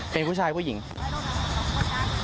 เป็นผู้ชายผู้หญิง